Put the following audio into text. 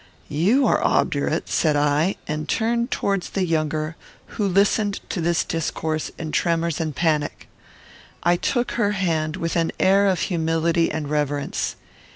"You are obdurate," said I, and turned towards the younger, who listened to this discourse in tremors and panic. I took her hand with an air of humility and reverence.